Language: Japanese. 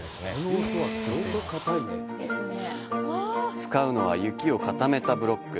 使うのは雪を固めたブロック。